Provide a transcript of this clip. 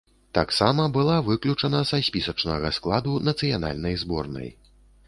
Таксама была выключана са спісачнага складу нацыянальнай зборнай.